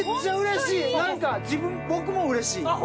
何か僕もうれしい。